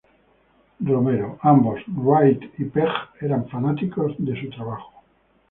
Romero; ambos, Wright y Pegg, eran fanáticos de su trabajo.